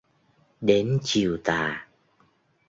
Đến chiều tà